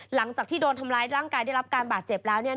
หลังจากที่โดนทำร้ายร่างกายได้รับการบาดเจ็บแล้ว